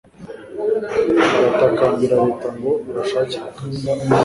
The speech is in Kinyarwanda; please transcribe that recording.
baratakambira leta ngo ibashakire akazi